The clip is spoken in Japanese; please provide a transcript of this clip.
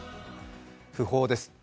訃報です。